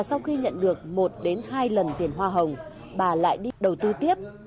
sau khi nhận được một hai lần tiền hoa hồng bà lại đi đầu tư tiếp